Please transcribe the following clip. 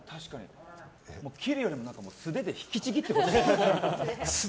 切るよりも素手で引きちぎってほしい。